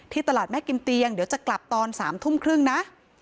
ตลาดแม่กิมเตียงเดี๋ยวจะกลับตอน๓ทุ่มครึ่งนะ